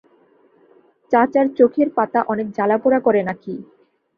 চাচার চোখের পাতা অনেক জ্বালা-পোড়া করে নাকি।